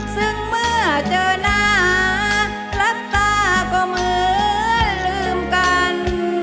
ซึ่งเมื่อเจอหน้ารับตาก็เหมือนลืมกัน